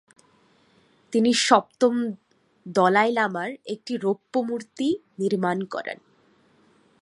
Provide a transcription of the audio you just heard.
তিনি সপ্তম দলাই লামার একটি রৌপ্যমূর্তি নির্মাণ করান।